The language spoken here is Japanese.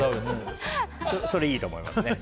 それいいと思いますね。